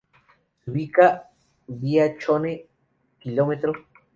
Se ubica Vía Chone, km.